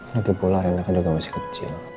lagipula reina kan juga masih kecil